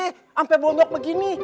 sampai bongkok begini